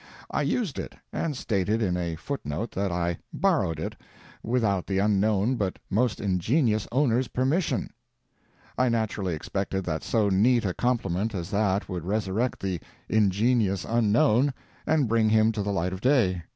I used it, and stated in a foot note that I "borrowed it, without the unknown but most ingenious owner's permission." I naturally expected that so neat a compliment as that would resurrect the "ingenious unknown," and bring him to the light of day.